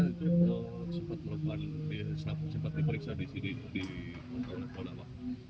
pemiliknya sudah sempat melakukan periksa di polda pak